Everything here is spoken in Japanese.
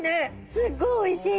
すっごいおいしい。